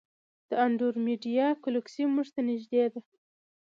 د انډرومیډا ګلکسي موږ ته نږدې ده.